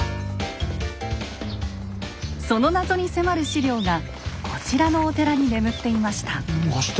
その謎に迫る史料がこちらのお寺に眠っていました。